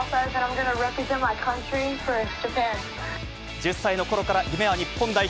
１０歳のころから夢は日本代表。